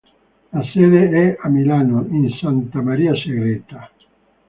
La sede è a Milano in Santa Maria Segreta.